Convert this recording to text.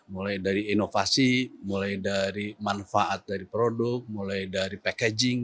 mulai dari inovasi mulai dari manfaat dari produk mulai dari packaging